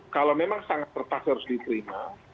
kalau memang sangat terpaksa harus diterima